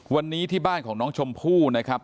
วันนี้ที่บ้านของน้องชมพู่นะครับ